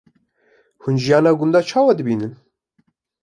Hûn jiyana gundan çawa dibînin?